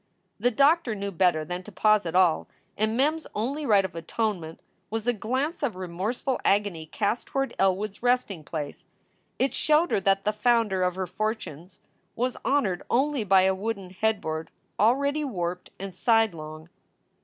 The doctor knew better than to pause at all, and Mem s only rite of atonement was a glance of remorseful agony cast toward Elwood s resting place. It showed her that the founder of her fortunes was honored only by a wooden head board already warped and sidelong.